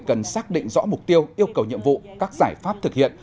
cần xác định rõ mục tiêu yêu cầu nhiệm vụ các giải pháp thực hiện